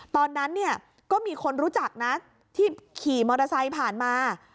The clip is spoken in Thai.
ตอนนั้นเนี่ยก็มีคนรู้จักนะที่ขี่มอเตอร์ไซค์ผ่านมา